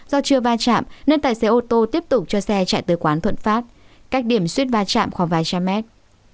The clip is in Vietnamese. do chưa va chạm nên tài xế ô tô tiếp tục cho xe chạy tới quán thuận phát cách điểm suýt va chạm khoảng vài trăm mét